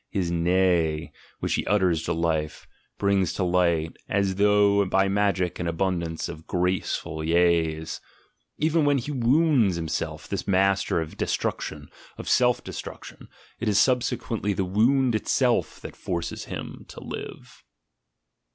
His "nay," which he utters to life, brings to light as though by magic an abundance of graceful "yeas"; even when he wounds himself, this master of destruction, of self destruction, it is subsequently the wound itself that forces him to live.